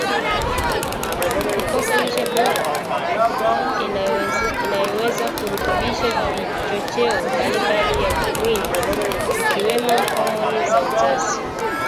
kukosa lishe bora inayoweza kurutubisha vichocheo mbalimbali vya mwili zikiwemo homoni za uzazi